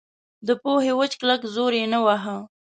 د پوهې وچ کلک زور یې نه واهه.